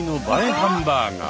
ハンバーガー。